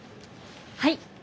はい。